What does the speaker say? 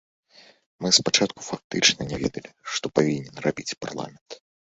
Мы спачатку фактычна не ведалі, што павінен рабіць парламент.